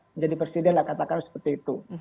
menjadi presiden lah katakanlah seperti itu